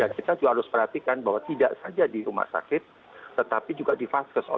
kita juga harus perhatikan bahwa tidak saja di rumah sakit tetapi juga di vaskes